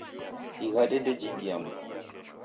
Ighande ndejingia Mlungunyi.